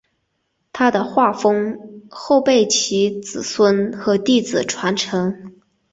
他的画风后被其子孙和弟子传承。